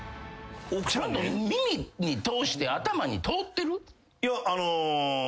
ちゃんと耳に通して頭に通ってる？